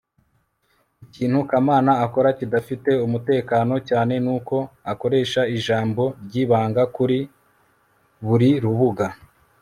ikintu kamana akora kidafite umutekano cyane nuko akoresha ijambo ryibanga kuri buri rubuga